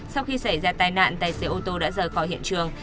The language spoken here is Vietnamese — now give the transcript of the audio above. sau khi xảy ra tai nạn tài xế ô tô đã rời khỏi hiện trường